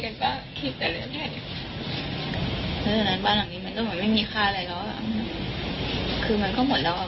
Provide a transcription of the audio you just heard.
คือตอนนี้รู้สึกว่า